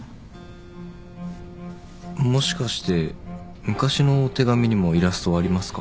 もしかして昔の手紙にもイラストはありますか？